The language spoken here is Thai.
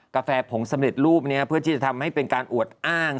กาแฟผงสำเร็จรูปนี้เพื่อที่จะทำให้เป็นการอวดอ้าง